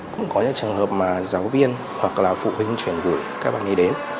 trường hợp mà giáo viên hoặc là phụ huynh chuyển gửi các bạn ấy đến